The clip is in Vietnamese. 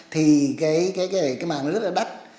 thì cái màng nó rất là đắt